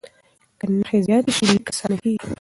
که نښې زیاتې سي، لیک اسانه کېږي.